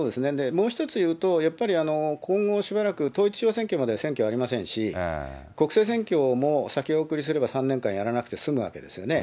もう一つ言うと、やっぱり今後しばらく統一地方選挙まで選挙ありませんし、国政選挙も先送りすれば、３年間やらなくて済むわけですよね。